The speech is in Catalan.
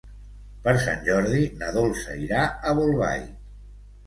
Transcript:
Per Sant Jordi na Dolça irà a Bolbait.